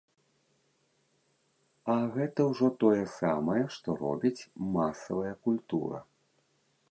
А гэта ўжо тое самае, што робіць масавая культура.